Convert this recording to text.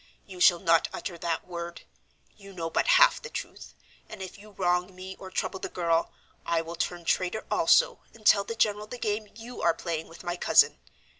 "You shall not utter that word you know but half the truth, and if you wrong me or trouble the girl I will turn traitor also, and tell the general the game you are playing with my cousin.